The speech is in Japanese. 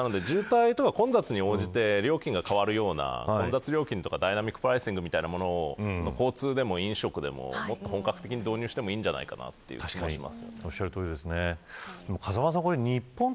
こうなってくると渋滞とは混雑に応じて料金が変わるような混雑料金とかダイナミックプライシングみたいなものを交通でも飲食でも本格的に導入したらいいんじゃないかなと思います。